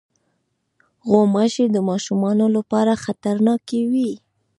غوماشې د ماشومو لپاره خطرناکې وي.